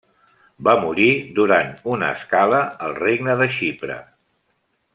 Va morir durant una escala al Regne de Xipre.